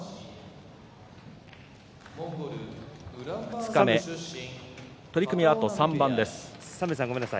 二日目取組はあと３番です。